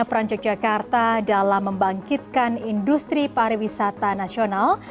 peran yogyakarta dalam membangkitkan industri pariwisata nasional